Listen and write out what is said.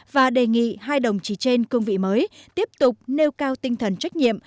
và đề nghị hai đồng chí trên cương vị mới tiếp tục nêu cao tinh thần trách nhiệm